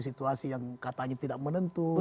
situasi yang katanya tidak menentu